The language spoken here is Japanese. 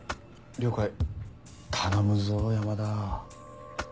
了解頼むぞ山田。